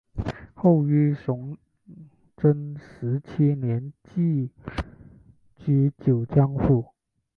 后于崇祯十七年寄居九江府。